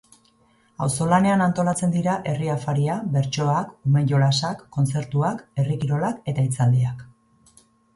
Auzolanean antolatzen dira herri afaria, bertsoak, ume jolasak, kontzertuak, herri kirolak eta hitzaldiak.